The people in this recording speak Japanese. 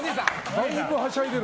だいぶはしゃいでる。